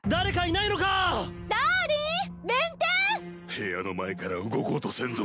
部屋の前から動こうとせんぞ。